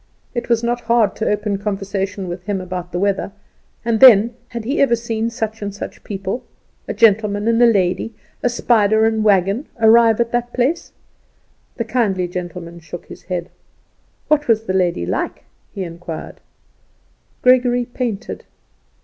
It was not hard to open conversation with him about the weather, and then Had he ever seen such and such people, a gentleman and a lady, a spider and wagon, arrive at that place? The kindly gentleman shook his head. What was the lady like, he inquired. Gregory painted.